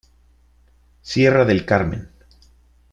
Sierra del Carmen